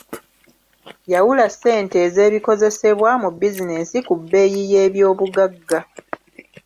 Yawula ssente ez’ebikozesebwa mu bizinensi ku bbeeyi y’ebyobugagga.